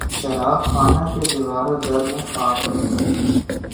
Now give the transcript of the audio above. شراب خانہ کے دیوار و در میں خاک نہیں